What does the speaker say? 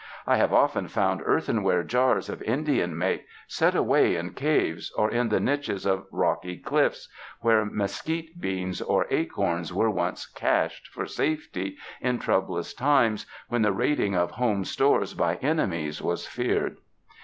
I have often found earthenware jars of Indian make set away in caves or in the niches of rocky cliffs, where mes quite beans or acorns were once 'cached' for safety in troublous times when the raiding of home stores by enemies was feared.